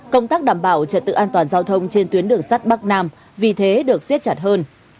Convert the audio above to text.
công tác đảm bảo trật tự an toàn giao thông trên tuyến đường sắt bắc nam vì thế được xiết chặt hơn